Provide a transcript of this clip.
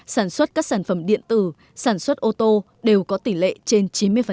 sản xuất các sản phẩm điện tử sản xuất ô tô đều có tỷ lệ trên chín mươi